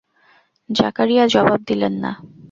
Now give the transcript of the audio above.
জাকারিয়া জবাব দিলেন না।